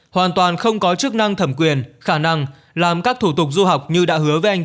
hoàn toàn không có chức năng thẩm quyền khả năng làm các thủ tục du học như đã hứa với anh